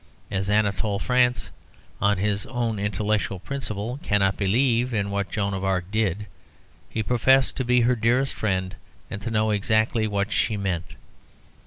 As Anatole France, on his own intellectual principle, cannot believe in what Joan of Arc did, he professes to be her dearest friend, and to know exactly what she meant.